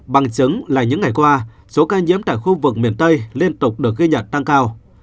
bằng chứng là những ngày qua số ca nhiễm tại khu vực miền tây liên tục được ghi nhận tăng cao